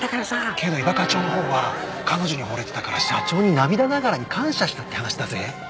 けど伊庭課長のほうは彼女に惚れてたから社長に涙ながらに感謝したって話だぜ。